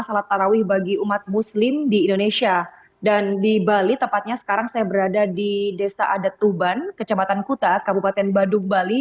salat tarawih bagi umat muslim di indonesia dan di bali tepatnya sekarang saya berada di desa adatuban kecamatan kuta kabupaten badung bali